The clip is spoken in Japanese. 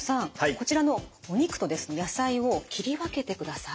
こちらのお肉と野菜を切り分けてください。